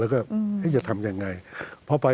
แล้วก็จะทำอย่างไร